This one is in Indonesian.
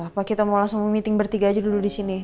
apa kita mau langsung meeting bertiga aja dulu di sini